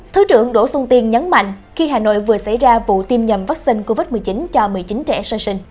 thứ trưởng đỗ xuân tiên nhấn mạnh khi hà nội vừa xảy ra vụ tiêm nhầm vaccine covid một mươi chín cho một mươi chín trẻ sơ sinh